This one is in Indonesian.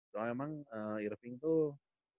soalnya emang irving tuh